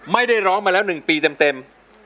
ไม่ได้ร้องมาแล้ว๑ปีเต็ม